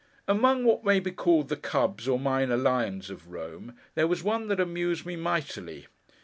Among what may be called the Cubs or minor Lions of Rome, there was one that amused me mightily.